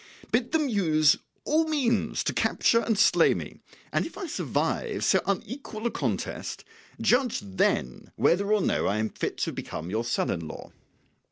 Bid them use all means to capture and slay me, and if I survive so unequal a contest, judge then whether or no I am fit to become your son in law."